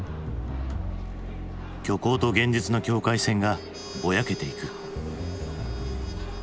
虚構と現実の境界線がぼやけていく。